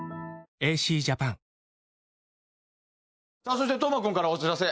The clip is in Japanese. そして斗真君からお知らせ。